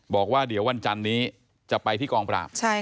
บอกว่าเดี๋ยววันจันนี้จะไปที่กองปราบ